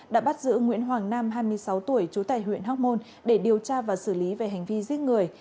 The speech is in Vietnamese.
đã bắt giữ nguyễn hoàng nam hai mươi sáu tuổi trú tại huyện hóc môn để điều tra và xử lý về hành vi giết người